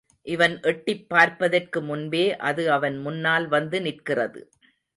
இவன் எட்டிப் பார்ப்பதற்கு முன்பே அது அவன் முன்னால் வந்து நிற்கிறது.